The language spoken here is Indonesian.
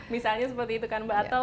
misalnya seperti itu kan mbak atau